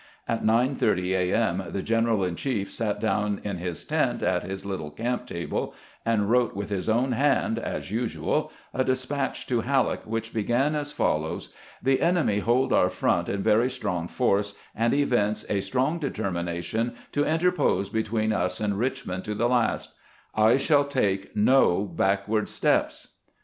At 9 : 30 A. M. the general in chief sat down in his tent at his little camp table, and wrote with his own hand, as 92 CAMPAIGNING WITH GBANT usual, a despatch to Halleck which began as follows :" The enemy hold our front in very strong force, and evince a strong determination to interpose between us and Eichmond to the last, / shall take no backward steps.